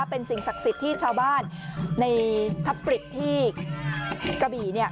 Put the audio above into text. เป็นสิ่งศักดิ์สิทธิ์ที่ชาวบ้านในทัพกฤษที่กระบี่